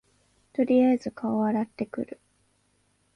とりあえず顔洗ってくる